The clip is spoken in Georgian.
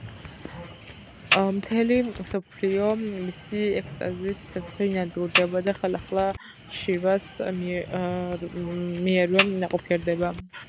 მთელი მსოფლიო მისი ექსტაზის ცეცხლში ნადგურდება და ხელახლა შივას მიერვე ნაყოფიერდება.